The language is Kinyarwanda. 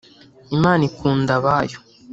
Imana ikunda abayo.